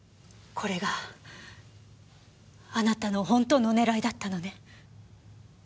これがあなたの本当の狙いだったのね？